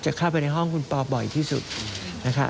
เข้าไปในห้องคุณปอบ่อยที่สุดนะคะ